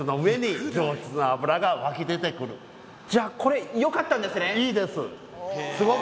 じゃあこれ良かったんですね？